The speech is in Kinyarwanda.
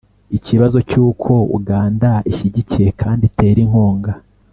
ikibazo cy’uko uganda ishyigikiye kandi itera inkunga